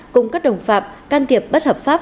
cùng các đồng phạm can thiệp bất hợp pháp